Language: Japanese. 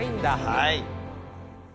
はい。